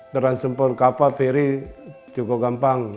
transmoper kapal ferry cukup gampang